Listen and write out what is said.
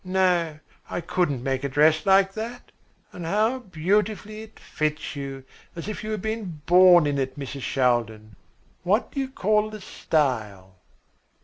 No, I couldn't make a dress like that. And how beautifully it fits you, as if you had been born in it, Mrs. Shaldin. What do you call the style?"